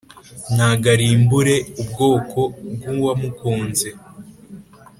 ntago arimbure ubwoko bw’uwamukunze.